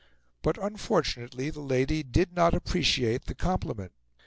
But unfortunately the lady did not appreciate the compliment.